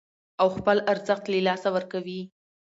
او خپل ارزښت له لاسه ورکوي